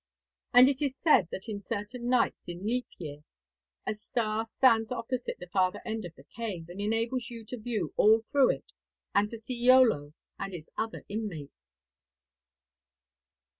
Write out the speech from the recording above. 'And it is said that in certain nights in leap year a star stands opposite the farther end of the cave, and enables you to view all through it and to see Iolo and its other inmates.'